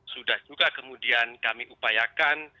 sudah juga kemudian kami upayakan